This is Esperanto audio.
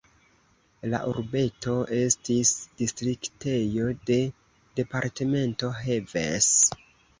La urbeto estis distriktejo de departemento Heves.